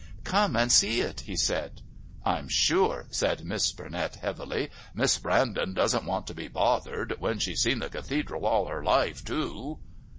"Come and see it," he said. "I'm sure," said Miss Burnett heavily, "Miss Brandon doesn't want to be bothered when she's seen the Cathedral all her life, too."